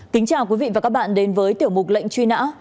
kính chào quý vị và các bạn đến với tiểu mục lệnh truy nã